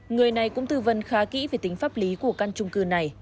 người này cũng tư vấn khá kỹ về tính pháp lý của căn trung cư này